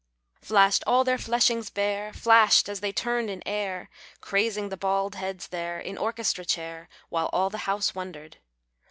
Flashed all their fleshings bare, Flashed as they turned in air. Crazing the bald heads there, In orchestra chair, while All the house wondered.